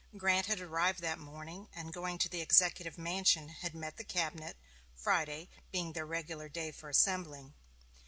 Grant had arrived that morning, and, going to the Executive Mansion, had met the cabinet, Friday being their regular day for assembling.